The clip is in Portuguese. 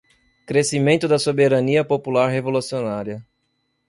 Crescimento da soberania popular revolucionária